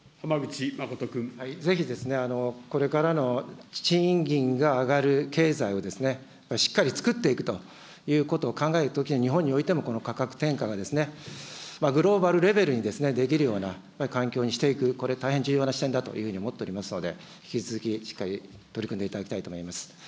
ぜひ、これからの賃金が上がる経済を、しっかりつくっていくということを考えるときに、日本においてもこの価格転嫁がグローバルレベルにできるような環境にしていく、これ、大変重要な視点だというふうに思っておりますので、引き続きしっかり取り組んでいただきたいと思います。